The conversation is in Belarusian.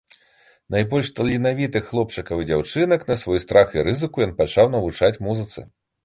Найбольш таленавітых хлопчыкаў і дзяўчынак на свой страх і рызыку ён пачаў навучаць музыцы.